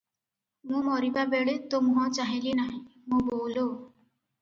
ମୁଁ ମରିବାବେଳେ ତୋ ମୁହଁ ଚାହିଁଲି ନାହିଁ, ମୋ ବୋଉ ଲୋ!